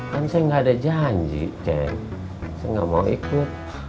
kan saya gak ada janji ceng saya gak mau ikut